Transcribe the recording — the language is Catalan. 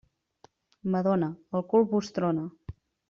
Madona, el cul vos trona.